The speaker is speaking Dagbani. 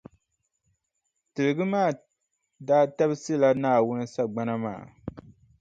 Tiligi maa daa tabisila Naawuni sagbana maa.